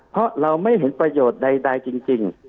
เพราะเราไม่เห็นประโยชน์ใดจริง